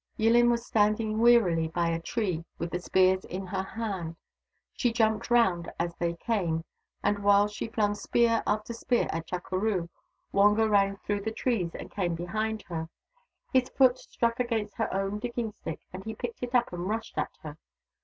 Yillin was standing wearily by a tree with the spears in her hand. She jumped round as they came, and while she flung spear after spear at Chukeroo, Wonga ran through the trees and came behind her. His foot struck against her own digging stick, and he picked it up and rushed at her.